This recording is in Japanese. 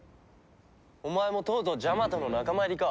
お前もとうとうジャマトの仲間入りか。